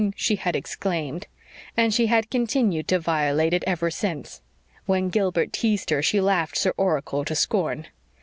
she had exclaimed. And she had continued to violate it ever since. When Gilbert teased her she laughed Sir Oracle to scorn.